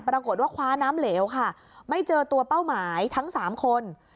ปรากฏว่าคว้าน้ำเหลวค่ะไม่เจอตัวเป้าหมายทั้งสามคน